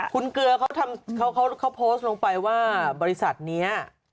คุณเกลือเขาโพสต์ลงไปว่าบริษัทนี้